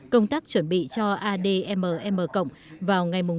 công tác chuẩn bị cho admm cộng vào ngày một mươi tháng một mươi hai